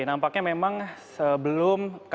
nampaknya memang sebelum kpu nanti ditawarkan